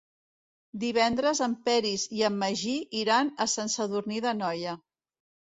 Divendres en Peris i en Magí iran a Sant Sadurní d'Anoia.